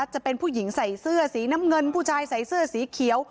จะเป็นผู้หญิงใส่เสื้อสีน้ำเงินผู้ชายใส่เสื้อสีเขียว